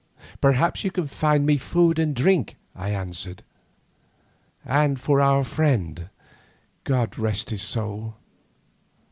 "Perhaps you can find me food and drink," I answered, "and for our friend, God rest his soul.